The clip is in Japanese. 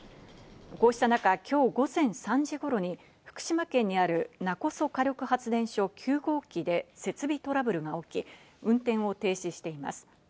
こうした中、今日午前３時頃に福島県にある勿来火力発電所９号機で設備トラブルが起き、運転を停止しています。